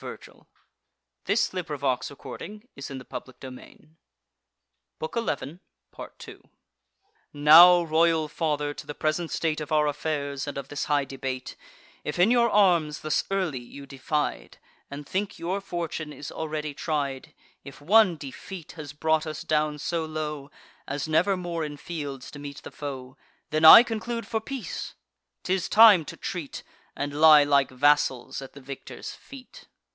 Let that vile soul in that vile body rest; The lodging is well worthy of the guest. "Now, royal father, to the present state Of our affairs, and of this high debate: If in your arms thus early you diffide, And think your fortune is already tried; If one defeat has brought us down so low, As never more in fields to meet the foe; Then I conclude for peace: 'tis time to treat, And lie like vassals at the victor's feet.